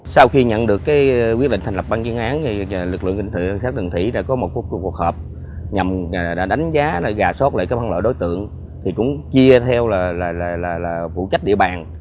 sau khi nhận được quyết định thành lập băng chuyên án lực lượng cảnh sát đường thủy đã có một cuộc họp nhằm đánh giá gà sót lại cái văn loại đối tượng thì cũng chia theo là phụ trách địa bàn